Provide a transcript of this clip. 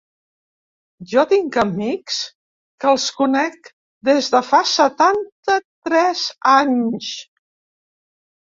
Jo tinc amics que els conec des de fa setanta-tres anys.